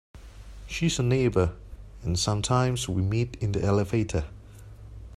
She is a neighbour, and sometimes we meet in the elevator.